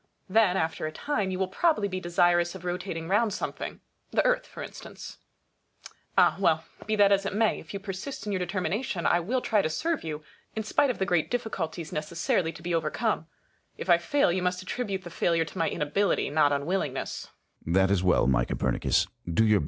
Then, after a time, you will probably be desirous of rotating round something — the Earth for instance. Ah ! well, be that as it may ; if you persist in your determination, I will try to serve you, in spite of the great difficulties necessarily to be overcome. If I fail, you must attribute the failure to my inability, not unwillingness. Sun. That is well, my Copernicus. Do your best. Copernicus.